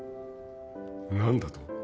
何だと？